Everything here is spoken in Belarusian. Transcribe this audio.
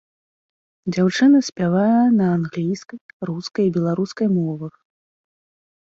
Дзяўчына спявае на англійскай, рускай і беларускай мовах.